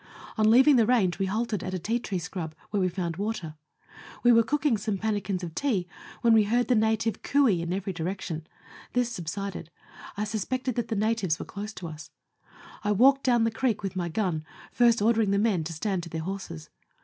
On leaving the range we halted at a tea tree scrub, where we found water. We Avere cooking some pannikins of tea when we heard the native cooey in every direction ; this subsided ; I suspected that the natives were close to us. I walked down the creek with my gun, first ordering the men to stand to their horses.